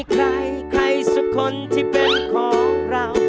ใครใครสักคนที่เป็นของเรา